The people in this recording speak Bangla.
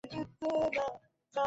এটা আয়না না।